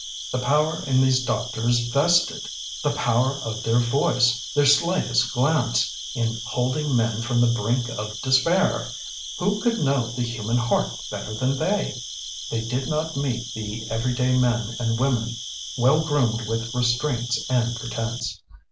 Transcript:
The power in these doctors vested! The power of their voice, their slightest glance, in holding men from the brink of despair! Who could know the human heart better than they? They did not meet the every day men and women well groomed with restraints and pretence.